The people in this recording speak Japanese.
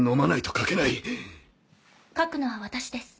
書くのは私です。